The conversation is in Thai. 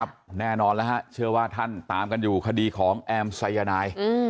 แน่นอนแล้วฮะเชื่อว่าท่านตามกันอยู่คดีของแอมสายนาย